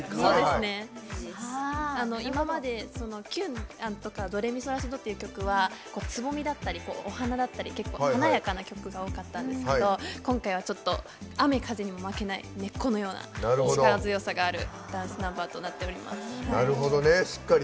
今まで「キュン」とか「ドレミソラシド」って曲だったりは結構、華やかな曲が多かったんですけど今回は雨風にも負けない根っこのような力強さがあるダンスナンバーになっております。